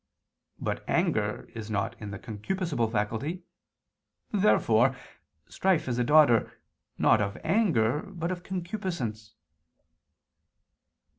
But anger is not in the concupiscible faculty. Therefore strife is a daughter, not of anger, but of concupiscence.